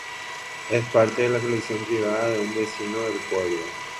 Es parte de la colección privada de un vecino del pueblo.